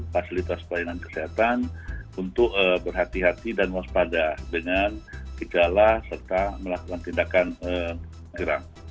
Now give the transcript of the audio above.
fasilitas pelayanan kesehatan untuk berhati hati dan waspada dengan gejala serta melakukan tindakan iram